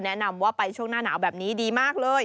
แนะนำว่าไปช่วงหน้าหนาวแบบนี้ดีมากเลย